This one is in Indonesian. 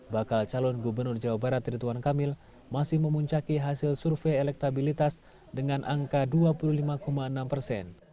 bakal calon gubernur jawa barat rituan kamil masih memuncaki hasil survei elektabilitas dengan angka dua puluh lima enam persen